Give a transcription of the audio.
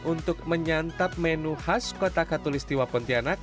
untuk menyantap menu khas kota katulistiwa pontianak